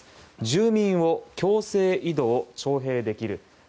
住民を強制移動、徴兵できる。